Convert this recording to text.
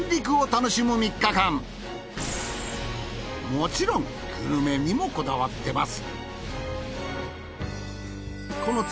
もちろんグルメにもこだわってます